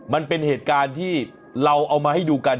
มันเป็นเหตุการณ์ที่เราเอามาให้ดูกัน